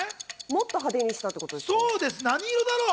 もっと派手にしたってことですか？